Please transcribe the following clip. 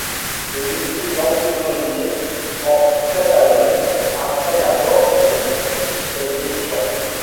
Celui-ci est emprisonné en Catalogne après la mort de son fils aîné Jean.